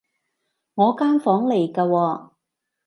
我間房嚟㗎喎